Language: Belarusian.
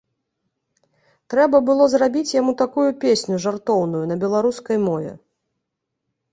Трэба было зрабіць яму такую песню жартоўную, на беларускай мове.